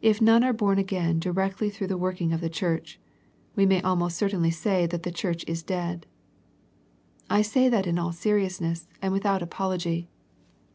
If none are born again di rectly through the working of the church, we may almost certainly say that the church is dead. I say that in all seriousness, and without apology.